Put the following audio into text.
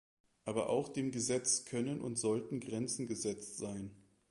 Aber auch dem Gesetz können und sollten Grenzen gesetzt sein.